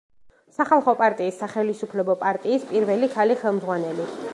სახალხო პარტიის, სახელისუფლებო პარტიის, პირველი ქალი ხელმძღვანელი.